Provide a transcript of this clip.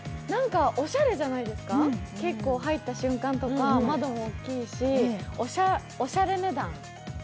何かおしゃれじゃないですか、結構入った瞬間とか窓も大きいし、おしゃれ値段。